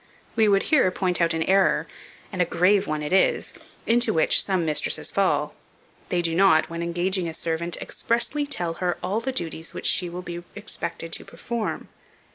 We would here point out an error and a grave one it is into which some mistresses fall. They do not, when engaging a servant, expressly tell her all the duties which she will be expected to perform.